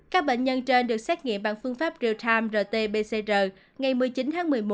các bệnh nhân trên được xét nghiệm bằng phương pháp real time rt pcr ngày một mươi chín tháng một mươi một